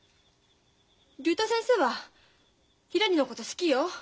竜太先生はひらりのこと好きよ。